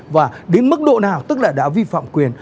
và đến mức độ nào tức là đã vi phạm quyền